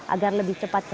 agar lebih cepat kembalikan